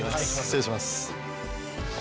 失礼します。